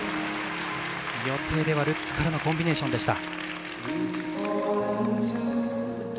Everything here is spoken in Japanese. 予定ではルッツからのコンビネーションでした。